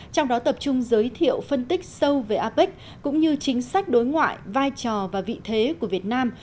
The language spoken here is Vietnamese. trong đó tập trung giới thiệu phân tích sâu về apec cũng như chính sách đối ngoại vai trò và vị thế của việt nam